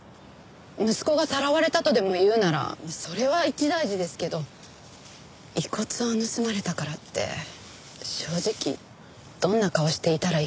息子がさらわれたとでもいうならそれは一大事ですけど遺骨を盗まれたからって正直どんな顔をしていたらいいかわかりません。